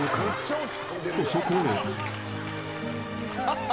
とそこへ］